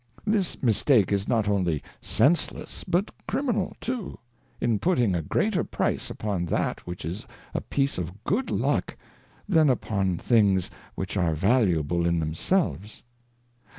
This mistake is not only senseless, but criminal too, in putting a greater Price upon that which is a piece of good luck, than upon things which are valuable in themselves.